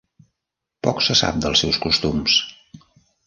Poc se sap dels seus costums.